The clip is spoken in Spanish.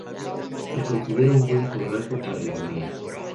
Se considera un buen forraje para el ganado.